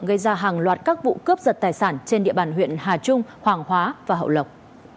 gây ra hàng loạt các vụ cướp giật tài sản trên địa bàn huyện hà trung hoàng hóa và hậu lộc